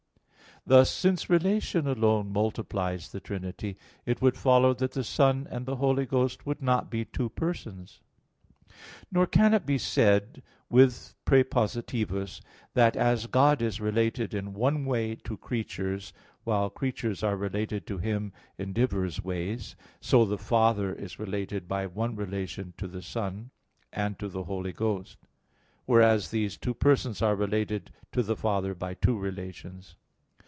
Thus, since relation alone multiplies the Trinity, it would follow that the Son and the Holy Ghost would not be two persons. Nor can it be said with Prepositivus that as God is related in one way to creatures, while creatures are related to Him in divers ways, so the Father is related by one relation to the Son and to the Holy Ghost; whereas these two persons are related to the Father by two relations.